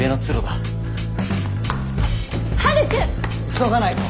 急がないと！